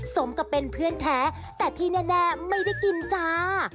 สมกับเป็นเพื่อนแท้แต่ที่แน่ไม่ได้กินจ้า